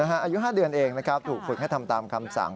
อายุ๕เดือนเองนะครับถูกฝึกให้ทำตามคำสั่ง